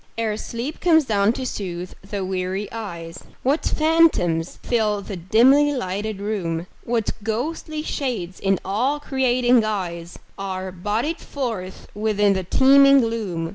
Ere sleep comes down to soothe the weary eyes, What phantoms fill the dimly lighted room; What ghostly shades in awe creating guise Are bodied forth within the teeming gloom.